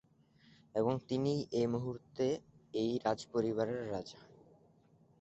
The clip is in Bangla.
এবং তিনিই এই মুহূর্তে এই রাজ পরিবারের রাজা।